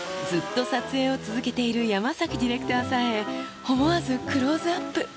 ずっと撮影を続けている山崎ディレクターさえ、思わずクローズアップ。